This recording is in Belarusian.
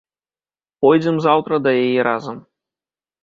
Пойдзем заўтра да яе разам.